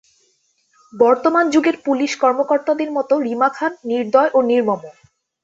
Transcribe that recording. বর্তমান যুগের পুলিশ কর্মকর্তাদের মতো রিমা খান নির্দয় ও নির্মম।